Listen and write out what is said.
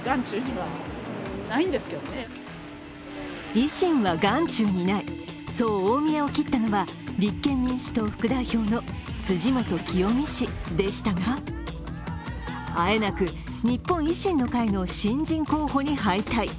維新は眼中にない、そう大見得を切ったのは立憲民主党副代表の辻元清美氏でしたがあえなく日本維新の会の新人候補に敗退。